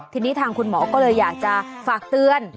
ทีนี้ทางคุณหมอก็เลยอยากจะฝากเตือน